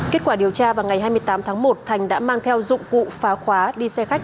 kết quả điều tra vào ngày hai mươi tám tháng một thành đã mang theo dụng cụ phá khóa đi xe khách